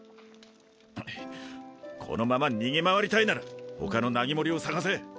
んっこのまま逃げ回りたいならほかのナギモリを探せ。